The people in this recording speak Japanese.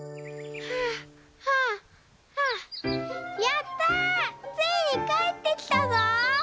「はあはあはあやったついにかえってきたぞ！」。